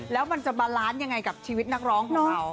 แล้วมันจะบาลานซ์ยังไงกับชีวิตนักร้องของเขา